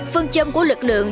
phương châm của lực lượng